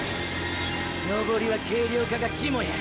登りは軽量化がキモや。